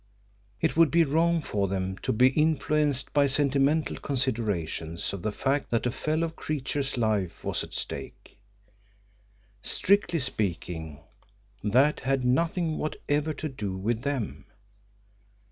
It would be wrong for them to be influenced by sentimental considerations of the fact that a fellow creature's life was at stake. Strictly speaking, that had nothing whatever to do with them.